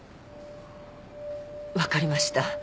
分かりました